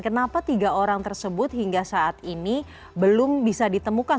kenapa tiga orang tersebut hingga saat ini belum bisa ditemukan